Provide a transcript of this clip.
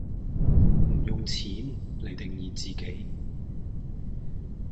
唔用「錢」黎定義自己